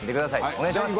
お願いします。